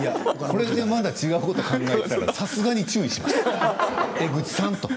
これで違うことをまだ考えていたらさすがに注意します。